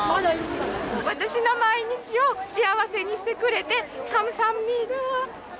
私の毎日を幸せにしてくれて、カムサハムニダー。